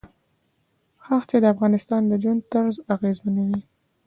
ښتې د افغانانو د ژوند طرز اغېزمنوي.